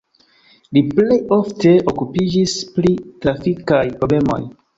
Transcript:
Li plej ofte okupiĝis pri trafikaj problemoj.